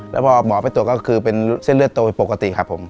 แล้วพอหมอไปตรวจก็คือเป็นเส้นเลือดโตปกติครับผม